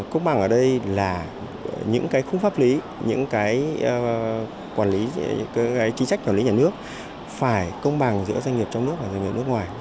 công bằng ở đây là những cái khung pháp lý những cái chính sách quản lý nhà nước phải công bằng giữa doanh nghiệp trong nước và doanh nghiệp nước ngoài